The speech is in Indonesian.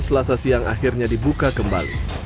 selasa siang akhirnya dibuka kembali